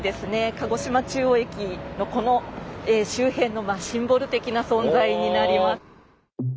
鹿児島中央駅のこの周辺のシンボル的な存在になります。